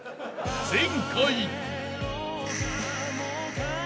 ［前回］